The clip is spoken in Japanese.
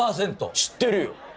知ってるよ。